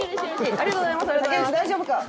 ありがとうございます。